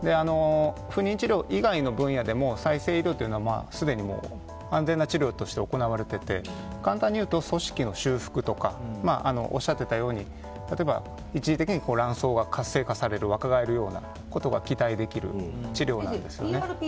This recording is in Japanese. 不妊治療以外の分野でも再生医療はすでに安全な治療として行われていて簡単に言うと、組織の修復とかおっしゃっていたように例えば、一時的に卵巣が活性化される若返るようなことが期待できる治療なんですよね。